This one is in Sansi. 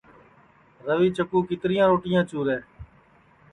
روی چکُو کیتریا روٹیاں چُورے